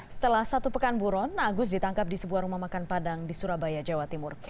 setelah satu pekan buron agus ditangkap di sebuah rumah makan padang di surabaya jawa timur